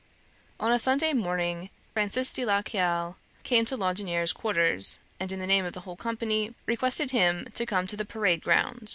On a Sunday morning, Francois de la Caille came to Laudonniere's quarters, and, in the name of the whole company, requested him to come to the parade ground.